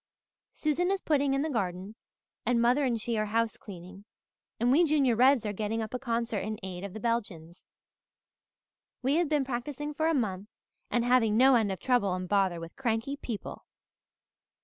Susan is putting in the garden, and mother and she are housecleaning, and we Junior Reds are getting up a concert in aid of the Belgians. We have been practising for a month and having no end of trouble and bother with cranky people.